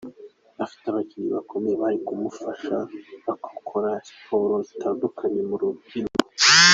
Afite ababyinnyi bakomeye bari kumufasha bakora siporo zitandukanye ku rubyiniro.